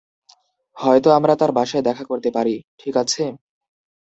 হয়তো আমরা তার বাসায় দেখা করতে পারি, ঠিক আছে?